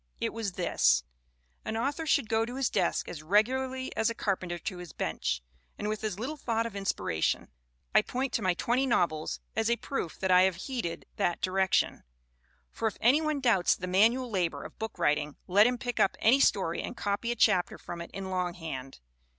It was this: 'An author should go to his desk as regularly as a carpenter to his bench, and with as little thought of inspiration.' I point to my twenty novels as a proof that I have heeded that direction; for if any one doubts the manual labor of book writing let him pick up any story and copy a chapter from it in long hand.